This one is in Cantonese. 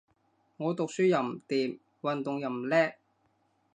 我讀書又唔掂，運動又唔叻